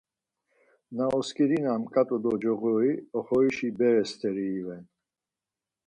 Na otzǩedinam ǩat̆u do coğori oxorişi bere steri iven.